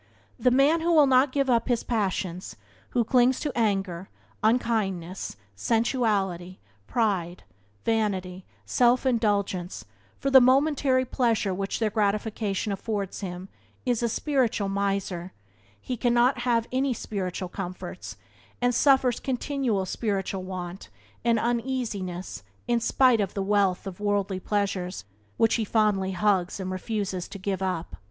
The man who will not give up his passions, who clings to anger, unkindness, sensuality, pride, vanity, self indulgence, for the momentary pleasure which their gratification affords him is a spiritual miser; he cannot have any spiritual comforts, and suffers continual spiritual want and uneasiness in spite of the wealth of worldly pleasures which he fondly hugs and refuses to give up.